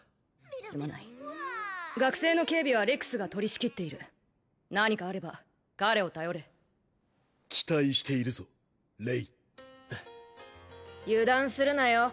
すまない学生の警備はレックスが取りしきっている何かあれば彼を頼れ期待しているぞレイ油断するなよ